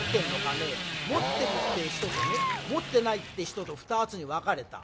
持ってるってえ人と持ってないってえ人と２つに分かれた。